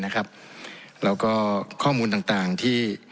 แล้วก็ข้อมูลต่างที่